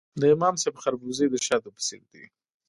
د امام صاحب خربوزې د شاتو په څیر دي.